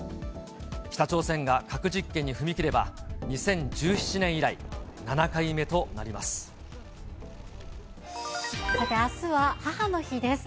北朝鮮が核実験に踏み切れば、２０１７年以来、７回目となります。